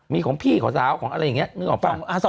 มีของพี่ขอสาวของอะไรแบบนี้